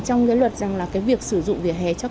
trong cái luật rằng là cái việc sử dụng vỉa hè cho